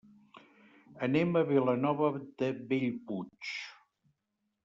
Anem a Vilanova de Bellpuig.